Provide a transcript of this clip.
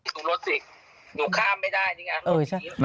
ตรงรถติดอยู่ข้ามไม่ได้นี่ไง